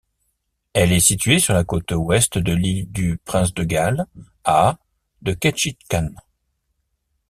Elle est située sur la côte ouest de l'île du Prince-de-Galles, à de Ketchikan.